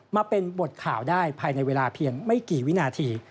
มาเป็นบทข่าวได้ภายในเวลาเพียงไม่กี่วินาที